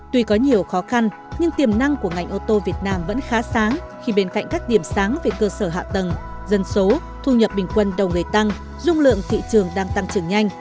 tuy có nhiều khó khăn nhưng tiềm năng của ngành ô tô việt nam vẫn khá sáng khi bên cạnh các điểm sáng về cơ sở hạ tầng dân số thu nhập bình quân đầu người tăng dung lượng thị trường đang tăng trưởng nhanh